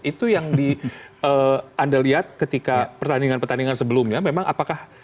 itu yang anda lihat ketika pertandingan pertandingan sebelumnya memang apakah